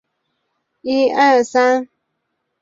毛豆即为尚未成熟的食用大豆。